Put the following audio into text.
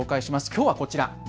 きょうはこちら。